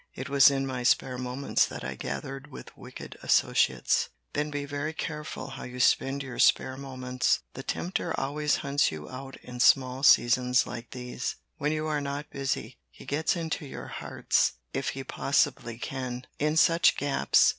"It was in my spare moments that I gathered with wicked associates." Then be very careful how you spend your spare moments. The tempter always hunts you out in small seasons like these; when you are not busy, he gets into your hearts, if he possibly can, in just such gaps.